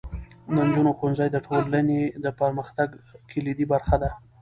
د نجونو ښوونځی د ټولنې د پرمختګ کلیدي برخه ده.